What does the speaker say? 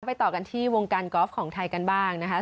กลับไปต่อกันที่วงการก็อฟของไทยกันบ้างนะคะ